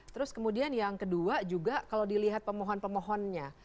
terus kemudian yang kedua juga kalau dilihat pemohon pemohonnya